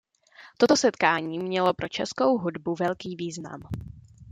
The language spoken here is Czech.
Toto setkání mělo pro českou hudbu velký význam.